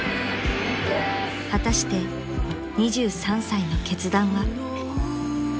［果たして２３歳の決断は？］